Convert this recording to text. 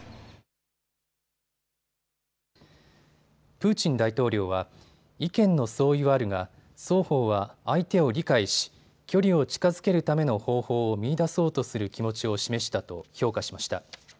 プーチン大統領は意見の相違はあるが双方は相手を理解し距離を近づけるための方法を見いだそうとする気持ちを示したと評価しました。